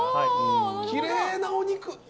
きれいなお肉。